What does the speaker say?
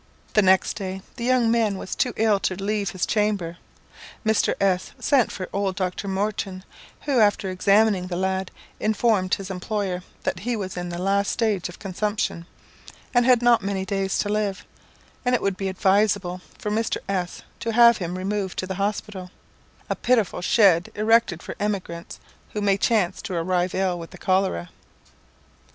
The next day, the young man was too ill to leave his chamber. Mr. S sent for old Dr. Morton, who, after examining the lad, informed his employer that he was in the last stage of consumption, and had not many days to live, and it would be advisable for Mr. S to have him removed to the hospital (a pitiful shed erected for emigrants who may chance to arrive ill with the cholera).